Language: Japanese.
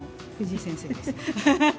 もう藤井先生です。